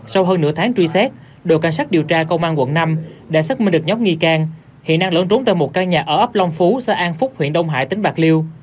sau hơn nửa tháng truy xét đội cảnh sát điều tra công an quận năm đã xác minh được nhóm nghi can hiện đang lẫn trốn tại một căn nhà ở ấp long phú xã an phúc huyện đông hải tỉnh bạc liêu